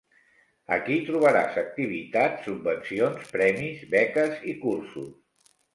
Aquí trobaràs activitats, subvencions, premis, beques i cursos.